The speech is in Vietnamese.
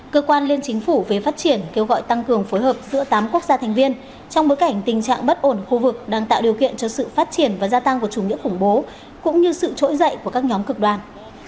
cơ quan liên chính phủ về phát triển kêu gọi tăng cường phối hợp giữa tám quốc gia thành viên trong bối cảnh tình trạng bất ổn khu vực đang tạo điều kiện cho sự phát triển và gia tăng của chủ nghĩa khủng bố cũng như sự trỗi dậy của các nhóm cực đoàn